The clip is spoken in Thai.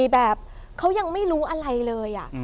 แบบเขายังไม่รู้อะไรเลย